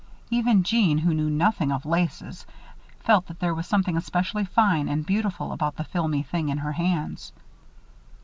Even Jeanne, who knew nothing of laces, felt that there was something especially fine and beautiful about the filmy thing in her hands.